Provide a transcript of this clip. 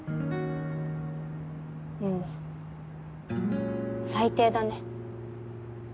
うん最低だね。